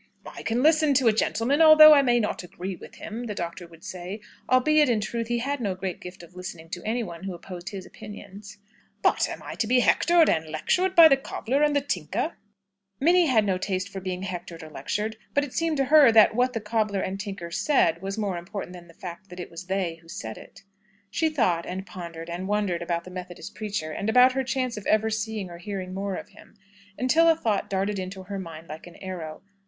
"I can listen to a gentleman, although I may not agree with him," the Doctor would say (albeit, in truth, he had no great gift of listening to anyone who opposed his opinions), "but am I to be hectored and lectured by the cobbler and the tinker?" Minnie had no taste for being hectored or lectured; but it seemed to her that what the cobbler and tinker said, was more important than the fact that it was they who said it. She thought, and pondered, and wondered about the Methodist preacher, and about her chance of ever seeing or hearing more of him, until a thought darted into her mind like an arrow.